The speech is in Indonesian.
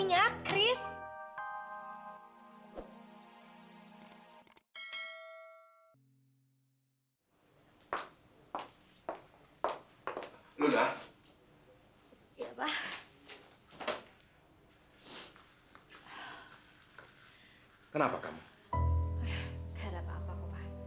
gak ada apa apa kok pak